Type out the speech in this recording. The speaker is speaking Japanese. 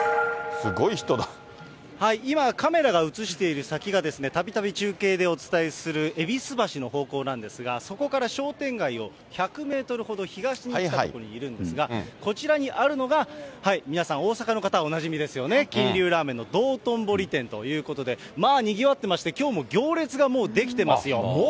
今、カメラが映している先が、たびたび中継でお伝えするえびす橋の方向なんですが、そこから商店街を１００メートルほど東に来た所にいるんですが、こちらにあるのが、皆さん、大阪の方はおなじみですよね、金龍ラーメンの道頓堀店ということで、まあにぎわってまして、きょうも行列がもう出来ていますよ。